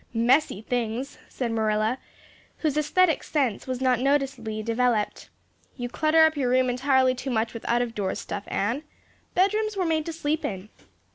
"Messy things," said Marilla, whose aesthetic sense was not noticeably developed. "You clutter up your room entirely too much with out of doors stuff, Anne. Bedrooms were made to sleep in."